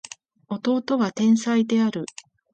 弟は天才である